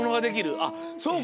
あっそうか。